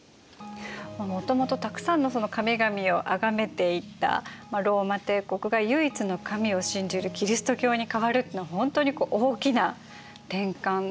もともとたくさんの神々をあがめていたローマ帝国が唯一の神を信じるキリスト教に変わるのは本当に大きな転換だったんですね。